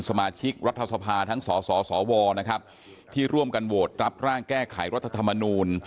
สมาชิกรัฐสภาทั้งสสวนะครับที่ร่วมกันโหวตรับร่างแก้ไขรัฐธรรมนูล